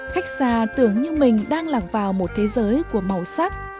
khách xa tưởng như mình đang lặng vào một thế giới của màu sắc